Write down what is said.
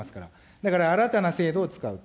だから、新たな制度を使うと。